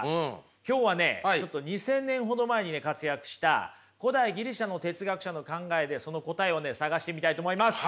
今日はねちょっと２，０００年ほど前に活躍した古代ギリシャの哲学者の考えでその答えを探してみたいと思います。